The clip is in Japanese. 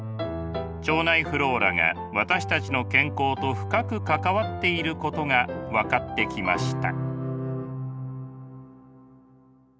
腸内フローラが私たちの健康と深く関わっていることが分かってきました。